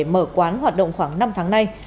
mở quán hoạt động khoảng năm tháng nay